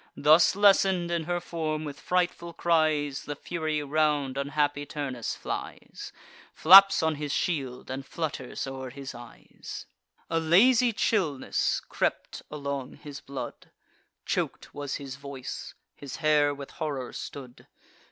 Thus lessen'd in her form, with frightful cries The Fury round unhappy Turnus flies, Flaps on his shield, and flutters o'er his eyes. A lazy chillness crept along his blood; Chok'd was his voice; his hair with horror stood.